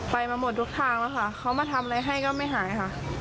ไปมาหมดทุกทางแล้วค่ะเขามาทำอะไรให้ก็ไม่หายค่ะ